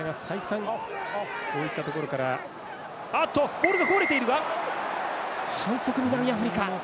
ボールがこぼれているが反則、南アフリカ。